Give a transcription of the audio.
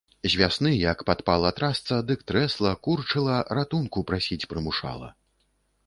З вясны як падпала трасца, дык трэсла, курчыла, ратунку прасіць прымушала.